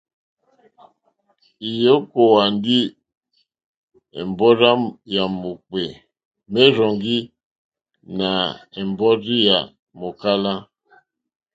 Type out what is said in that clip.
I okòwà ndi è mbɔrzi yà mòkpè, merzɔŋgi nà è mbɔrzi yà mòkala.